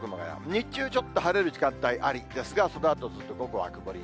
日中、ちょっと晴れる時間帯ありですが、そのあとずっと午後は曇り。